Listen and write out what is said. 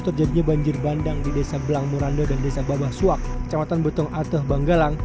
terjadinya banjir bandang di desa belang murando dan desa babah suak kecamatan botong ateh banggalang